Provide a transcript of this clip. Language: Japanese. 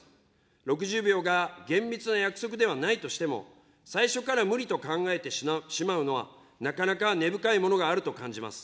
６０秒が厳密な約束ではないとしても、最初から無理と考えてしまうのは、なかなか根深いものがあると感じます。